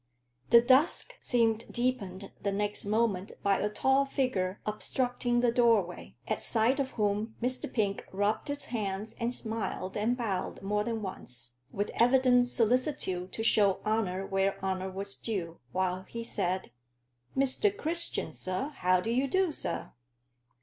The dusk seemed deepened the next moment by a tall figure obstructing the doorway, at sight of whom Mr. Pink rubbed his hands and smiled and bowed more than once, with evident solicitude to show honor where honor was due, while he said: "Mr. Christian, sir, how do you do, sir?"